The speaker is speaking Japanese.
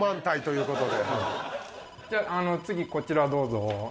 じゃあ次こちらどうぞ。